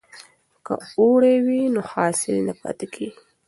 که اوړی وي نو حاصل نه پاتیږي.